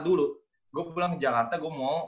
dulu gue pulang ke jakarta gue mau